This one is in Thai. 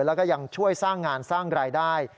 แล้วก็ยังช่วยสร้างงานสร้างรายได้